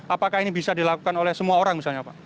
apakah ini bisa dilakukan oleh semua orang misalnya pak